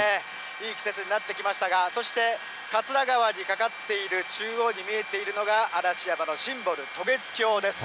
いい季節になってきましたが、そして桂川に架かっている中央に見えているのが、嵐山のシンボル、渡月橋です。